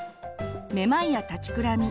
めまいや立ちくらみ。